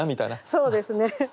そうですね